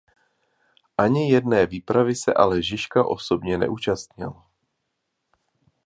Ani jedné výpravy se ale Žižka osobně neúčastnil.